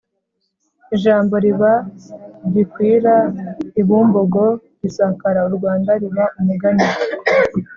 ijambo riba gikwira i bumbogo risakara u rwanda riba umugani